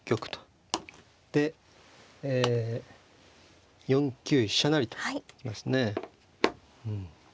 でえ４九飛車成と行きましたね。